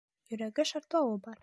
Йөрәге шартлауы бар.